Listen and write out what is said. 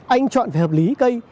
anh chọn phải hợp lý cây